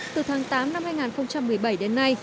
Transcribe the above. từ tháng tám năm hai nghìn một mươi bảy đến nay